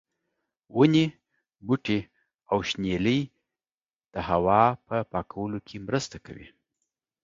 ونې، بوټي او شنېلی د هوا په پاکوالي کې مرسته کوي.